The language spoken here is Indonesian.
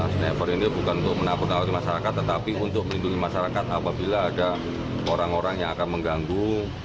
sniper ini bukan untuk menakut nawati masyarakat tetapi untuk melindungi masyarakat apabila ada orang orang yang akan mengganggu